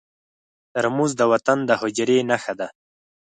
ترموز د وطن د حجرې نښه ده.